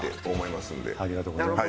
ありがとうございます。